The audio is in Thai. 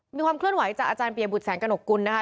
มีความเคลื่อนไหวจากอาจารย์ปิยบุธสังกนกกุลดีนะคะ